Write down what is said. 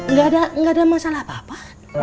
nggak ada masalah apa apa